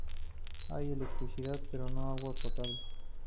Hay electricidad pero no agua potable.